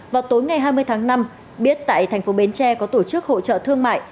vào tối ngày hai mươi tháng năm biết tại tp bến tre có tổ chức hỗ trợ thương mại